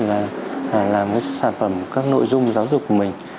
làm sản phẩm các nội dung giáo dục của mình